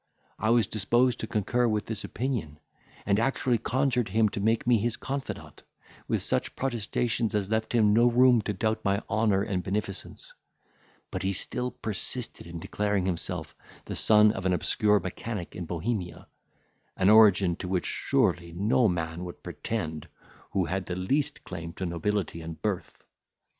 I was disposed to concur with this opinion, and actually conjured him to make me his confidant, with such protestations as left him no room to doubt my honour and beneficence; but he still persisted in declaring himself the son of an obscure mechanic in Bohemia; an origin to which surely no man would pretend who had the least claim to nobility of birth.